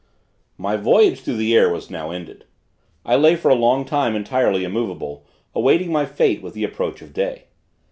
My voyage through the air was now ended. I lay for a long time entirely immovable, awaiting my fate with the approach of day.